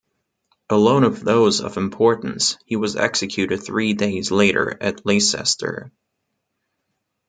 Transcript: Alone of those of importance he was executed three days later at Leicester.